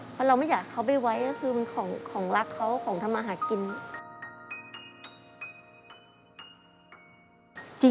เพราะเราไม่อยากให้เขาไปไว้ก็คือมันของรักเขาของทำมาหากิน